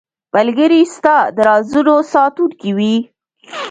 ملګری ستا د رازونو ساتونکی وي.